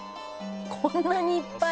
「こんなにいっぱい」